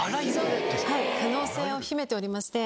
はい可能性を秘めておりまして。